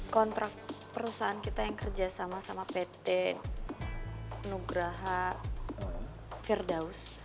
kontrak perusahaan kita yang kerjasama sama pt nugraha firdaus